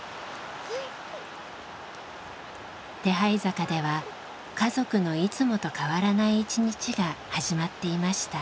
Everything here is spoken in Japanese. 手這坂では家族のいつもと変わらない一日が始まっていました。